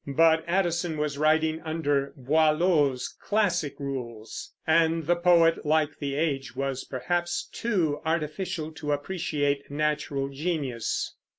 But Addison was writing under Boileau's "classic" rules; and the poet, like the age, was perhaps too artificial to appreciate natural genius.